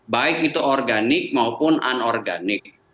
baik itu organik maupun anorganik